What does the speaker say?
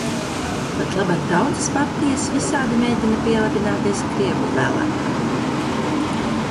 Patlaban daudzas partijas visādi mēģina pielabināties krievu vēlētājiem.